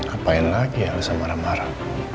apaan lagi elsa marah marah